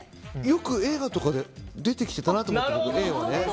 よく、映画とかで出てきてたなと思って。